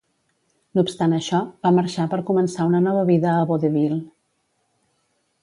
No obstant això, va marxar per començar una nova vida a Vaudeville.